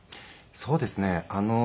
そうですね。